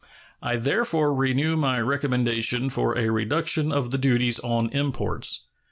I therefore renew my recommendation for a reduction of the duties on imports.